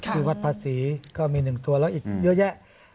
คือวัดภาษีก็มี๑ตัวแล้วอีกเยอะแยะ